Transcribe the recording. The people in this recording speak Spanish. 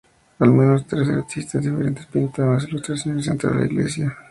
Al menos tres artistas diferentes pintaron las ilustraciones dentro de la iglesia.